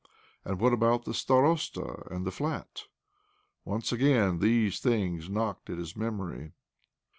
Arid what about the starosta and the flat? Once again these things knocked at his memory.